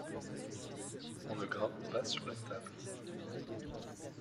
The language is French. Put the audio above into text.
On ne grimpe pas sur la table.